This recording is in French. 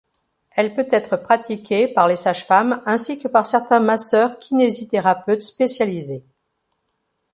Elle peut être pratiquée par les sage-femmes ainsi que par certains masseurs-kinésithérapeutes spécialisés.